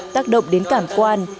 tác động đến cảm quan